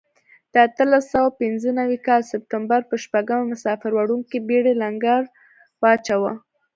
د اتلس سوه پنځه نوي کال سپټمبر په شپږمه مسافر وړونکې بېړۍ لنګر واچاوه.